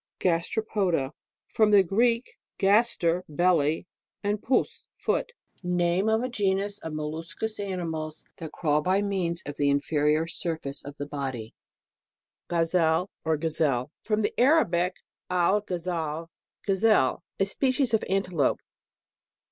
GASTEROPODA. From t'ie Greek, v/s ter, belly, and pous, foot. Name of a genus of molluscous animals that crawl by means of the inferior sur face of the body. GAZELLE, or GAZEL From the Arabic, alghazal, gazelle. A species of an telope.